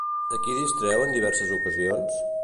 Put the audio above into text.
A qui distreu en diverses ocasions?